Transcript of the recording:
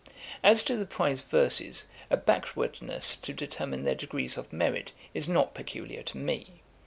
'As to the Prize Verses, a backwardness to determine their degrees of merit is not peculiar to me.